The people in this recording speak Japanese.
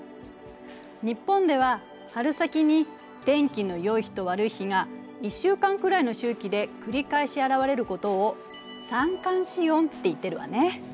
日本では春先に天気のよい日と悪い日が１週間くらいの周期で繰り返し現れることを「三寒四温」って言ってるわね。